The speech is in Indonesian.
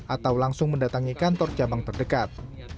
atau langsung mendatangi kantor cabang terdekat